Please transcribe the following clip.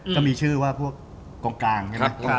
ก็มีชื่อว่าพวกกองกลางใช่ไหม